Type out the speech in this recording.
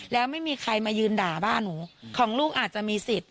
แล้วไม่มีใครมายืนด่าบ้านหนูของลูกอาจจะมีสิทธิ